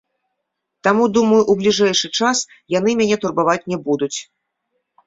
Таму, думаю, у бліжэйшы час яны мяне турбаваць не будуць.